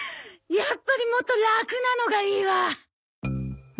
やっぱりもっとラクなのがいいわ。